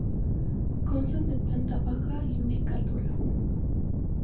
Constan de planta baja y una única altura.